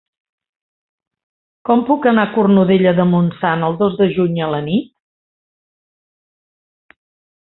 Com puc anar a Cornudella de Montsant el dos de juny a la nit?